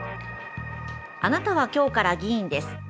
あなたは今日から議員です。